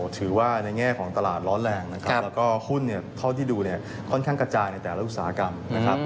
ถือว่าในแง่ของตลาดร้อนแรงนะครับแล้วก็หุ้นเนี่ยเท่าที่ดูเนี่ยค่อนข้างกระจายในแต่ละอุตสาหกรรมนะครับ